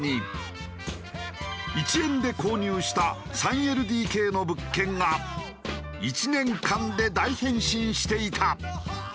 １円で購入した３ＬＤＫの物件が１年間で大変身していた。